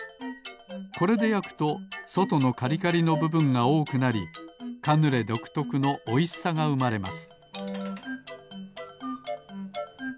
これでやくとそとのカリカリのぶぶんがおおくなりカヌレどくとくのおいしさがうまれます